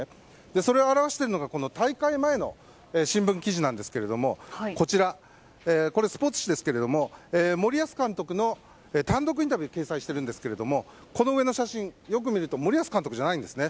それを表しているのが大会前の新聞記事なんですけどもこれはスポーツ紙ですが森保監督の単独インタビューを掲載しているんですがこの上の写真、よく見ると森保監督じゃないんですね。